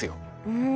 うん。